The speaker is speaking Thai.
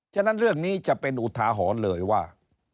ฉะนั้นเรื่องนี้จะเป็นอุทาหรณ์เลยว่า